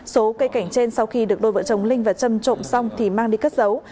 số cây cảnh trên sau khi được đôi vợ chồng linh và trâm trộm xong thì mang đi cất giấu